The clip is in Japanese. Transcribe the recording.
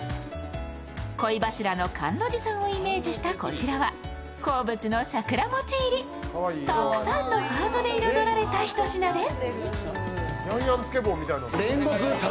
恋柱の甘露寺さんをモチーフにしたこちらは好物の桜餅入り、たくさんのハ−トで彩られたひと品です。